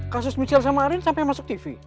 kasus michel sama arin sampai masuk tv